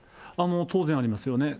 当然ありますよね。